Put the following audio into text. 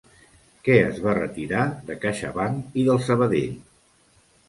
Què es va retirar de CaixaBank i del Sabadell?